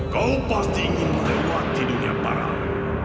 kau pasti ingin melewati dunia parah